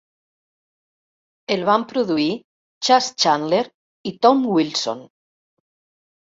El van produir Chas Chandler i Tom Wilson.